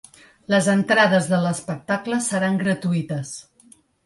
Les entrades de l’espectacle seran gratuïtes.